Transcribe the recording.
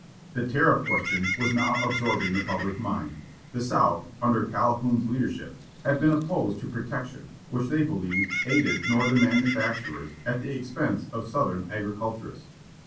The tariff question was now absorbing the public mind. The South, under Calhoun's leadership, had been opposed to protection, which they believed aided northern manufacturers at the expense of southern agriculturists.